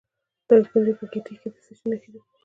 د دایکنډي په ګیتي کې د څه شي نښې دي؟